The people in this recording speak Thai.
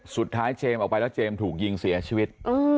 เจมส์ออกไปแล้วเจมส์ถูกยิงเสียชีวิต